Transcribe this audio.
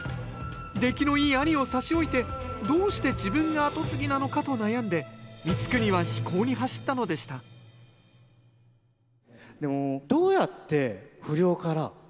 出来のいい兄を差し置いてどうして自分が跡継ぎなのかと悩んで光圀は非行に走ったのでしたでもどうやって不良から立ち直ったんですか？